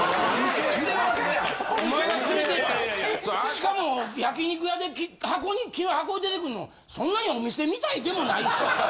しかも焼肉屋で箱に木の箱で出てくんのそんなにお店みたいでもないし。